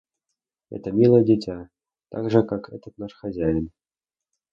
Это милое дитя, так же как этот наш хозяин.